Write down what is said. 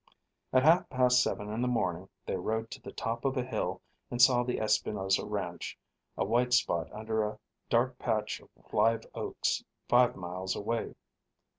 At half past seven in the morning they rode to the top of a hill and saw the Espinosa Ranch, a white spot under a dark patch of live oaks, five miles away.